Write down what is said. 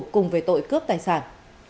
cùng với tội cướp tài sản